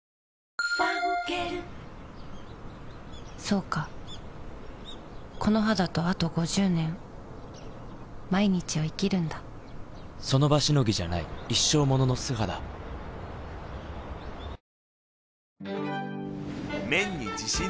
そうかこの肌とあと５０年その場しのぎじゃない一生ものの素肌さあ